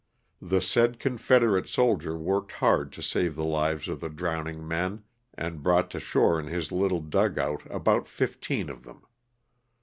The said confederate soldier worked hard to save the lives of the drowning men, and brought to shore in his little dugout about fifteen of them.